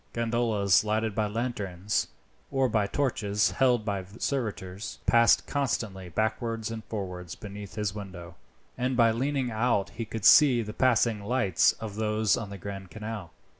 Gondolas lighted by lanterns, or by torches held by servitors, passed constantly backwards and forwards beneath his window, and by leaning out he could see the passing lights of those on the Grand Canal.